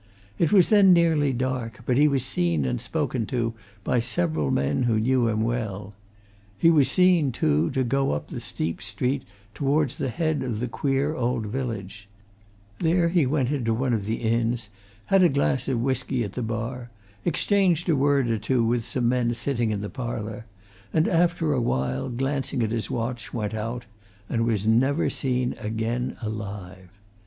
It was then nearly dark, but he was seen and spoken to by several men who knew him well. He was seen, too, to go up the steep street towards the head of the queer old village: there he went into one of the inns, had a glass of whisky at the bar, exchanged a word or two with some men sitting in the parlour, and after awhile, glancing at his watch, went out and was never seen again alive.